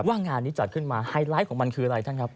งานนี้จัดขึ้นมาไฮไลท์ของมันคืออะไรท่านครับ